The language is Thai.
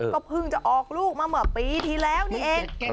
ก็เพิ่งจะออกลูกมาเมื่อปีที่แล้วนี่เอง